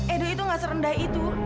edo itu gak serendah itu